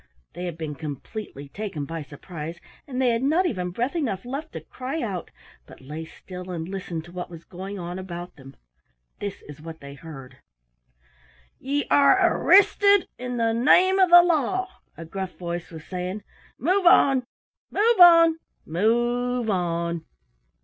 They had been completely taken by surprise and they had not even breath enough left to cry out, but lay still and listened to what was going on about them. This is what they heard: "Ye arre arristid in the name of the Law!" a gruff voice was saying. "Move on, move on, move on."